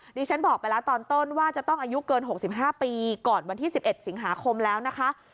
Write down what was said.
ดิฉันบอกไปแล้วตอนต้นว่าจะต้องอายุเกิน๖๕ปีก่อนวันที่๑๑สิงหาคมแล้วนะคะ